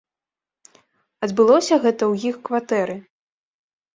Адбылося гэта ў іх кватэры.